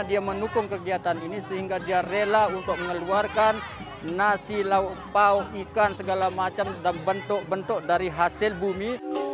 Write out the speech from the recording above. dia mendukung kegiatan ini sehingga dia rela untuk mengeluarkan nasi lauk bau ikan segala macam dan bentuk bentuk dari hasil bumi